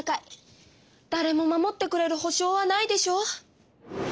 だれも守ってくれるほしょうはないでしょ？